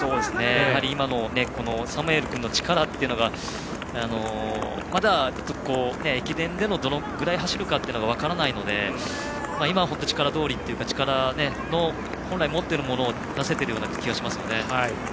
今のサムエル君の力がまだ駅伝でどのぐらい走るか分からないので今は力どおりというか本来持っている力を出せているような気がしますよね。